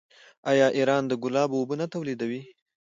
آیا ایران د ګلابو اوبه نه تولیدوي؟